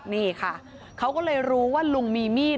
นี่ค่ะเขาก็เลยรู้ว่าลุงมีมีด